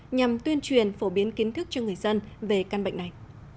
nhằm tuyên truyền phổ biến kiến thức cho người dân về căn bệnh này